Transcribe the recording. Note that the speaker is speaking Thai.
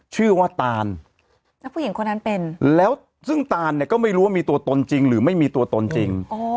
ตานแล้วผู้หญิงคนนั้นเป็นแล้วซึ่งตานเนี่ยก็ไม่รู้ว่ามีตัวตนจริงหรือไม่มีตัวตนจริง